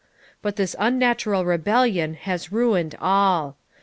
But this unnatural rebellion has ruined all.